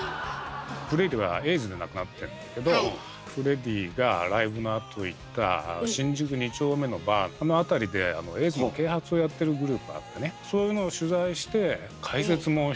フレディはエイズで亡くなってるんだけどフレディがライブのあと行った新宿二丁目のバーあの辺りでエイズの啓発をやってるグループあってねそういうのを取材してうわ